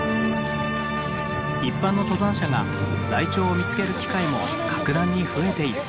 一般の登山者がライチョウを見つける機会も格段に増えている。